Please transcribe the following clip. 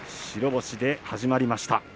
白星で始まりました。